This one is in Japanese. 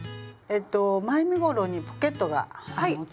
前身ごろにポケットがつきます。